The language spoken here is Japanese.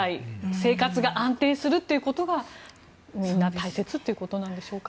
生活が安定するということがみんな大切ということでしょうか。